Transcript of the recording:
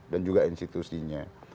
dan juga institusinya